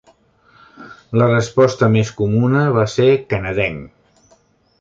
La resposta més comuna va ser "canadenc".